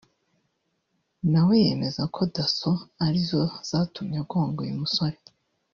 na we yemeza ko Dasso ari zo zatumye agonga uyu musore